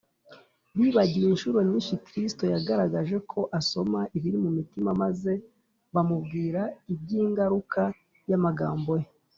bibagiwe inshuro nyinshi kristo yagaragaje ko asoma ibiri mu mitima, maze bamubwira iby’ingaruka y’amagambo ye